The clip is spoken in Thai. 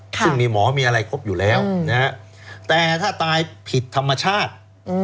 ซึ่งมีหมอมีอะไรครบอยู่แล้วนะฮะแต่ถ้าตายผิดธรรมชาติ